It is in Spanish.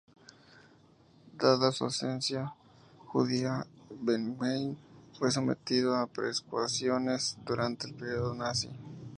Dada su ascendencia judía, Bernheim fue sometido a persecuciones durante el período Nazi.